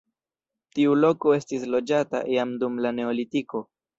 Tiu loko estis loĝata jam dum la neolitiko.